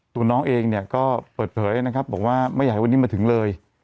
ตัวน้องเองเนี่ยก็เปิดเผยนะครับบอกว่าไม่อยากให้วันนี้มาถึงเลย